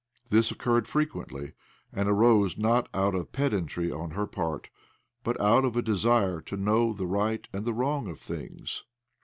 This occurred frequently, and arose not out of pedantry on her part, but out of a desire to know the right and the wrong of things.